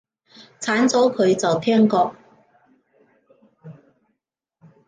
鏟咗佢，就聽過